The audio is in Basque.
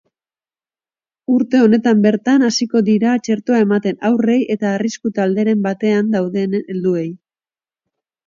Urte honetan bertan hasiko dira txertoa ematen haurrei eta arrisku-talderen batean dauden helduei.